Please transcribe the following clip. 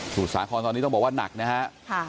สู่สาของตอนนี้ต้องบอกว่าหนักนะครับ